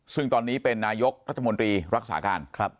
ซึ่งตอนนี้เป็นนายกรัฐมนตรีรักษาการ